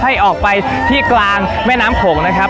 ให้ออกไปที่กลางแม่น้ำโขงนะครับ